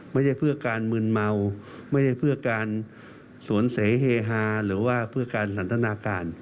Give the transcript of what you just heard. ไม่ใช่เพื่อการมืนเมาไม่ได้เพื่อการสวนเสเฮฮาหรือว่าเพื่อการสันทนาการ